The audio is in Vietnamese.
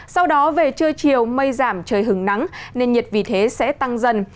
sau đó về trưa chiều mây giảm trời hứng nắng nên nhiệt vì thế sẽ tăng dần